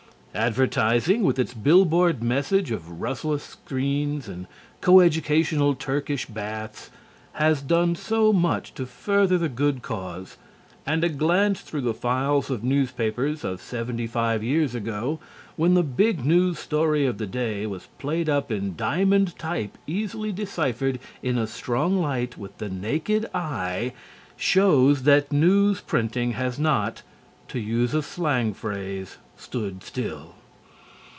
Advertising, with its billboard message of rustless screens and co educational turkish baths, has done much to further the good cause, and a glance through the files of newspapers of seventy five years ago, when the big news story of the day was played up in diamond type easily deciphered in a strong light with the naked eye, shows that news printing has not, to use a slang phrase, stood still.